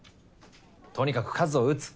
とにかく数を打つ。